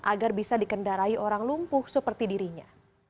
agar bisa dikendarai orang lumpuh seperti dirinya